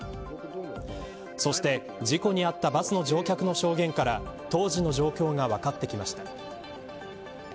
そして、事故に遭ったバスの乗客の証言から当時の状況が分かってきました。